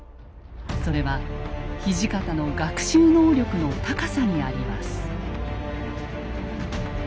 それは土方の学習能力の高さにあります。